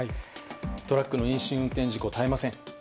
トラックの飲酒運転事故絶えません。